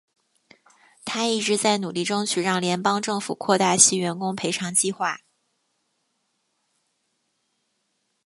她一直在努力争取让联邦政府扩大其员工赔偿计划。